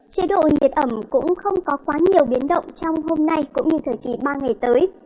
chế độ nhiệt ẩm cũng không có quá nhiều biến động trong hôm nay cũng như thời kỳ ba ngày tới